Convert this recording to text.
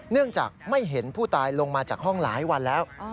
เนื่องจากไม่เห็นผู้ตายลงมาจากห้องหลายวันแล้ว